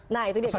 nah itu dia